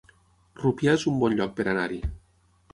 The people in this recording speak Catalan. Rupià es un bon lloc per anar-hi